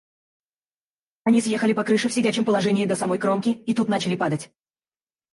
Они съехали по крыше в сидячем положении до самой кромки и тут начали падать.